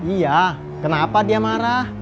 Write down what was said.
iya kenapa dia marah